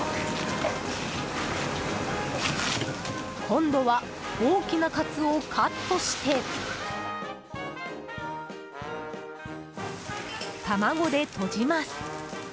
今度は大きなカツをカットして卵でとじます。